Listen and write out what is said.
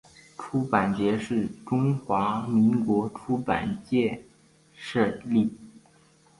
出版节是中华民国出版界设立。